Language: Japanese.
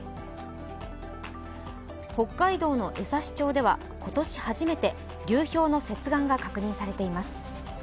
北海道の江差町では、今年初めて流氷の接岸が確認されています。